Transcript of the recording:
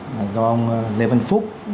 là do ông lê văn phúc